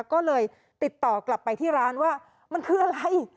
ก็เลยติดต่อกลับไปที่ร้านว่ามันคืออะไร